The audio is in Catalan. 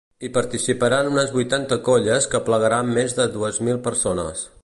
Hi participaran unes vuitanta colles que aplegaran més de dues mil persones.